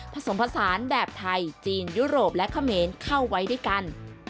ผสมผสานแบบไทยจีนยุโรปและเขมรเข้าไว้ด้วยกัน